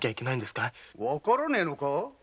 わからねぇのか？